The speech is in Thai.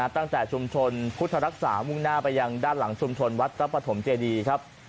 ตั้งแต่ชุมชนพุทธรักษามุ่งหน้าไปยังด้านหลังชุมชนวัดพระปฐมเจดีครับ